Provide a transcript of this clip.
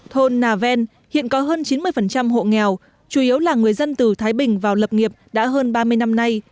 thôn nà ven hiện có hơn chín mươi hộ nghèo chủ yếu là người dân từ thái bình vào lập nghiệp đã hơn ba mươi năm nay